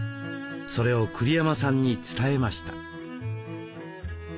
それを栗山さんに伝えました。